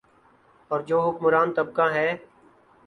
اورجو حکمران طبقہ ہے۔